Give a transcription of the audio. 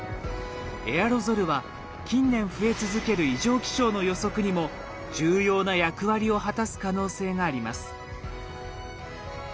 エアロゾルは近年増え続ける異常気象の予測にも重要な役割を果たす可能性があります。